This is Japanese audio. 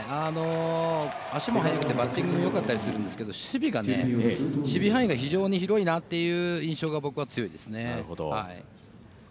足が速くてバッティングもよかったりするんですけれども、守備が守備範囲が非常に広いなという印象が僕は強いですね。